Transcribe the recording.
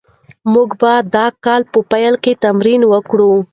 موږ به د کال په پیل کې تمرین وکړو.